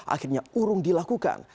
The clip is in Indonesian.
akhirnya urung dilakukan